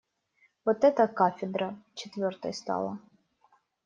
Вот эта кафедра четвертой стала.